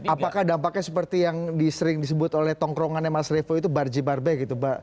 apakah dampaknya seperti yang disering disebut oleh tongkrongannya mas revo itu barje barbe gitu